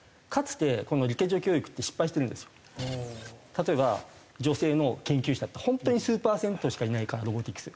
例えば女性の研究者って本当に数パーセントしかいないからロボティクス。